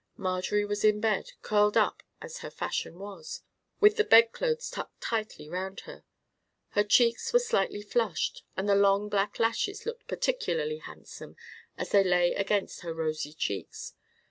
Marjorie was in bed, curled up as her fashion was, with the bedclothes tucked tightly round her. Her cheeks were slightly flushed, and the long black lashes looked particularly handsome as they lay against her rosy cheeks.